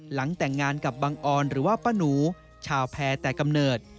หลังแต่งงานกับบังออนหรือว่าป้าหนูชาวแพร่แต่กำเนิด